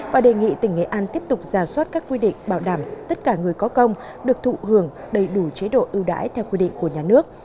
và đề nghị tỉnh nghệ an tiếp tục ra soát các quy định bảo đảm tất cả người có công được thụ hưởng đầy đủ chế độ ưu đãi theo quy định của nhà nước